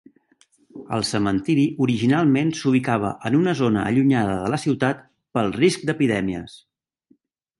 El cementiri originalment s'ubicava en una zona allunyada de la ciutat, pel risc d'epidèmies.